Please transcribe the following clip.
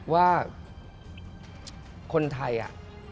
ว่าคนไทยอะ